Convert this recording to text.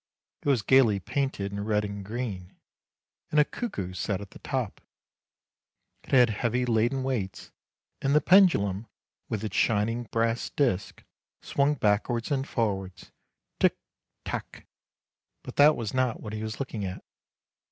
It was gaily painted in red and green, and a cuckoo sat at the top; it had heavy laden weights, and the pendulum, with its shining brass disc, swung backwards and forwards, ' Tick, tack '; but that was not what he was looking at.